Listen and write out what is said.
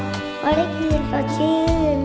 สนับสนุนโดยบริธานาคารกรุงเทพฯ